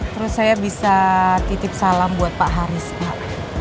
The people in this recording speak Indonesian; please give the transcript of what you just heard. terus saya bisa titip salam buat pak haris pak